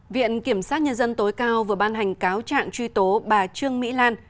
viện kiểm sát nhân dân tối cao vừa ban hành cáo trạng truy tố bà trương mỹ lan